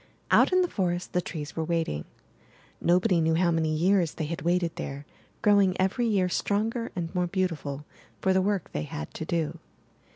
Out in the forest the trees were waiting. Nobody knew how many years they had waited there, grow 288 INTHE NURSERY ing every year stronger and more beautiful for the work they had to do.